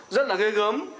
rất là ghê gớm